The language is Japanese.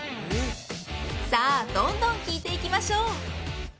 さあどんどん聞いていきましょう！